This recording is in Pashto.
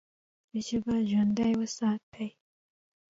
ژبه ژوندۍ وساتئ!